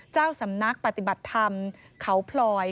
เจ้าสำนักปฏิบัติธรรมเขาพลอย